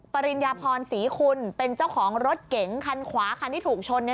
ปริญญาพรศรีคุณเป็นเจ้าของรถเก๋งคันขวาคันที่ถูกชน